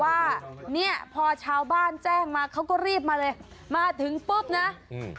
ว่าเนี้ยพอชาวบ้านแจ้งมาเขาก็รีบมาเลยมาถึงปุ๊บนะอืม